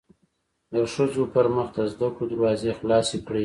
د ښځو پرمخ د زده کړو دروازې خلاصې کړی